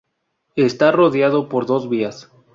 Está rodeado por dos vías.